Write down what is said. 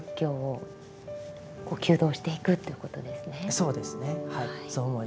そうですねはい。